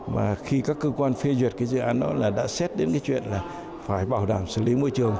và khi các cơ quan phê duyệt cái dự án đó là đã xét đến cái chuyện là phải bảo đảm xử lý môi trường